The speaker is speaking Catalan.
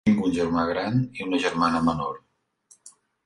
Tenia un germà gran i una germana menor.